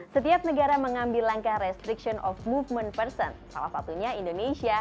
setiap negara mengambil langkah restriction of movement person salah satunya indonesia